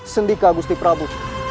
sendika gusti prabu